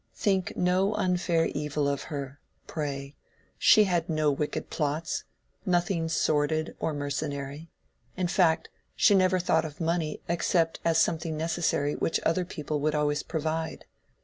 Think no unfair evil of her, pray: she had no wicked plots, nothing sordid or mercenary; in fact, she never thought of money except as something necessary which other people would always provide.